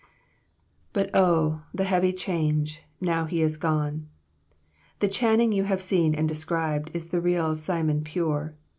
"'But O, the heavy change,' now he is gone. The Channing you have seen and described is the real Simon Pure.